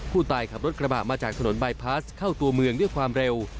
คนขับรถกระบะมาจากถนนบายพาสเข้าตัวเมืองด้วยความเร็ว